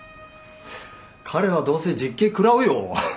彼はどうせ実刑食らうよ。